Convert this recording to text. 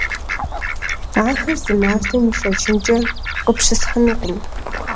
Ахэр зы мастэм ишэчынкӀэ къыпщысхьынукъым.